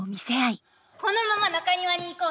このまま中庭に行こうで。